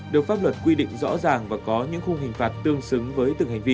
được pháp luật quy định rõ ràng và có những khung hình phạt tương xứng với từng hành vi